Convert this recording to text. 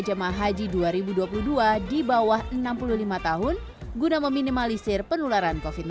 jemaah haji dua ribu dua puluh dua di bawah enam puluh lima tahun guna meminimalisir penularan covid sembilan belas